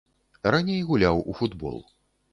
Раней гуляў у футбол.